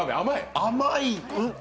甘い。